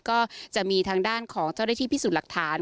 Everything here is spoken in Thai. ก็จะมีทางด้านของเจ้าหน้าที่พิสูจน์หลักฐาน